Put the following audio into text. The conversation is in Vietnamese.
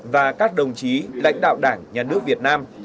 và các đồng chí lãnh đạo đảng nhà nước việt nam